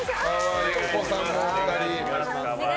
お子さんもお二人。